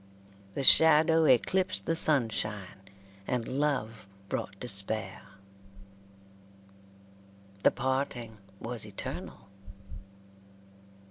The shadow eclipsed the sunshine, and love brought despair. The parting was eternal.